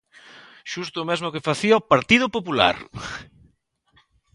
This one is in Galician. ¡Xusto o mesmo que facía o Partido Popular!